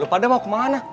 lu pada mau kemana